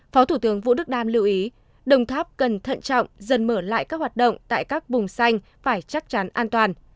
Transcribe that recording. phó thủ tướng vũ đức đam lưu ý đồng tháp cần thận trọng dần mở lại các hoạt động tại các vùng xanh phải chắc chắn an toàn